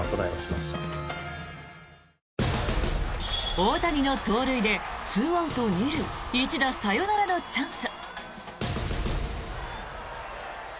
大谷の盗塁で２アウト２塁一打サヨナラのチャンス。